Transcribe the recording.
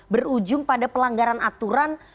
berujung pada pelanggaran aturan